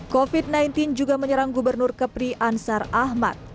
covid sembilan belas juga menyerang gubernur kepri ansar ahmad